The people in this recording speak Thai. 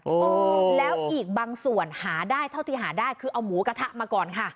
เออแล้วอีกบางส่วนหาได้เท่าที่หาได้คือเอาหมูกระทะมาก่อนค่ะ